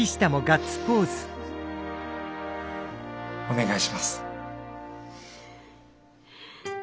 お願いします。